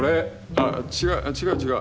あっ違う違う。